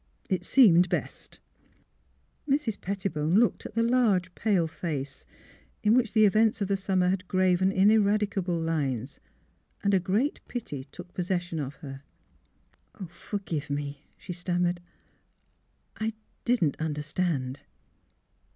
It seemed — best."' Mrs. Pettibone looked at the large, pale face, in which the events of the summer had graven ineradicable lines, and a great pity took possession of her. " Forgive me," she stammered. " I— didn't understand."